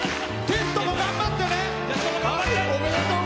テストも頑張ってね。